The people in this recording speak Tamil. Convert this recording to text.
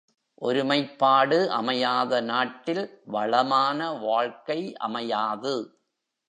ஒருமைப்பாடு அமையாத நாட்டில் வளமான வாழ்க்கை அமையாது.